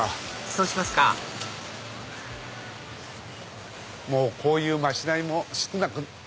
そうしますかもうこういう街並みも少なく。